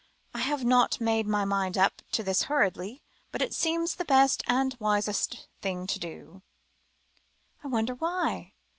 I have not made up my mind to this hurriedly, but it seems the best and wisest thing to do." "I wonder why?"